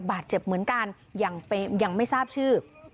บาดเจ็บเหมือนกันยังไม่ทราบชื่อ